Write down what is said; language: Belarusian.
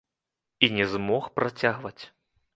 І не змог працягваць.